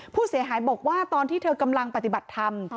ผู้เสียหายบอกว่าตอนที่เธอกำลังปฏิบัติธรรม